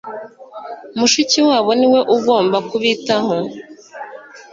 Mushikiwabo niwe ugomba kubitaho